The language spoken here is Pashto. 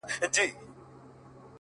له خدای وطن سره عجیبه مُحبت کوي ـ